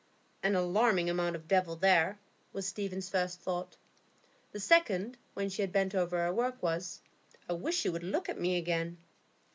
"An alarming amount of devil there," was Stephen's first thought. The second, when she had bent over her work, was, "I wish she would look at me again."